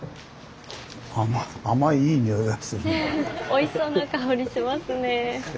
おいしそうな香りしますね。